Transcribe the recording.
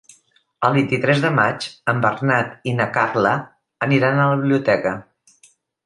El vint-i-tres de maig en Bernat i na Carla aniran a la biblioteca.